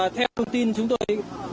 theo thông tin chúng tôi